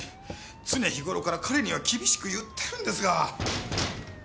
常日頃から彼には厳しく言っているんですが。